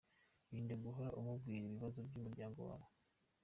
Irinde guhora umubwira ibibazo by’umuryango wawe.